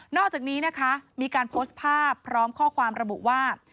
อกจากนี้นะคะมีการโพสต์ภาพพร้อมข้อความระบุว่า